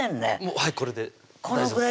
はいこれで大丈夫です